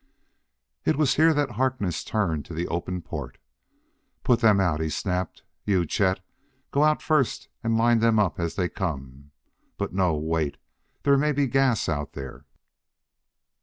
It was here that Harkness turned to the open port. "Put them out!" he snapped. "You, Chet, go out first and line them up as they come but, no, wait: there may be gas out there."